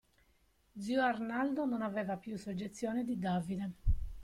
Zio Arnaldo non aveva più soggezione di Davide.